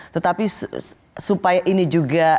tetapi supaya ini juga